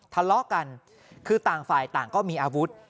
ทะเลาะกันคือต่างฝ่ายต่างก็มีอาวุธ